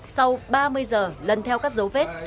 sau ba mươi giờ lần theo các dấu vết